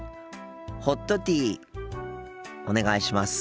ホットティーお願いします。